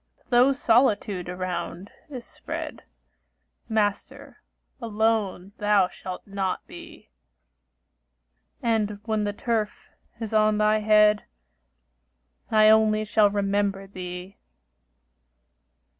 Though solitude around is spread, Master, alone thou shalt not be; And when the turf is on thy head, I only shall remember thee.